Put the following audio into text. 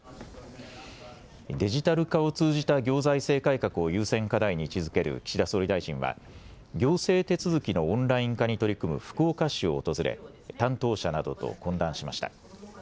デジタル化を通じた行財政改革を優先課題に位置づける岸田総理大臣は行政手続きのオンライン化に取り組む福岡市を訪れ、担当者などと懇談しました。